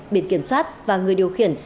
biển kiểm soát và người điều khiển